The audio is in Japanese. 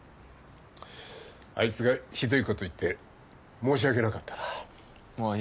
あいつがひどいこと言って申し訳なかったなあ